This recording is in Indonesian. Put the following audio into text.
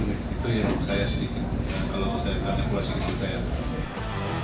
jadi ya saya sih kalau saya menangnya gue sih kecil kecil